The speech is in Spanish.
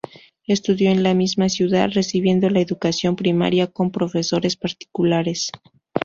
Estudió en la misma ciudad, recibiendo la educación primaria con profesores particulares.